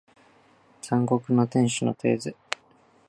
残酷な天使のテーゼ